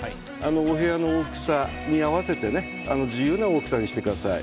お部屋の大きさに合わせて自由な大きさにしてください。